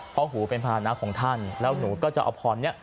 เพราะหูเป็นภานะของท่านแล้วหนูก็จะเอาพรนี้